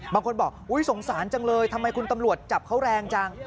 บางคนบอกอุ๊ยสงสารจังเลยทำไมคุณตำรวจจับเขาแรงจัง